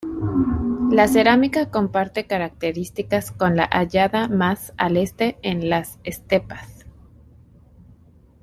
La cerámica comparte características con la hallada más al este en las estepas.